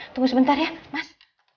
tunggu sebentar ya mas